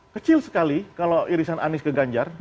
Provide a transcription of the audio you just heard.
kecil sekali kalau irisan anies ke ganjar